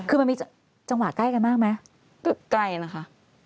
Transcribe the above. คือมันมีจังหวะใกล้กันมากไหมไกลนะคะ